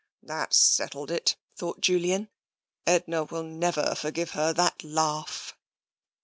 "That's settled it," thought Julian. "Edna will never forgive her that laugh."